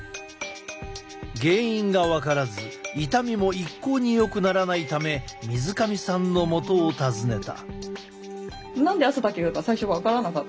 原因が分からず痛みも一向によくならないため水上さんのもとを訪ねた。